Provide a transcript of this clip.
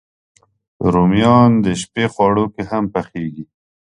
رومیان د شپی خواړو کې هم پخېږي